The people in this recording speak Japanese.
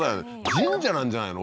神社なんじゃないの？